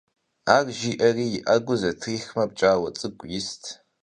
Ар жиӀэри, и Ӏэгур зэтрихмэ, пкӀауэ цӀыкӀу ист.